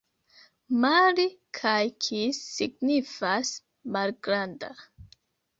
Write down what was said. Mali kaj kis signifas: malgranda.